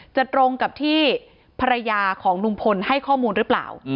ตรงกับที่ภรรยาของลุงพลให้ข้อมูลหรือเปล่า